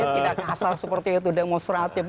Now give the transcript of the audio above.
tidak kasar seperti itu demonstratif